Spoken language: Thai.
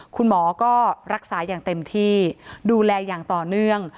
คุณหมอก็รักษาอย่างเต็มที่ดูแลอย่างต่อเนื่อง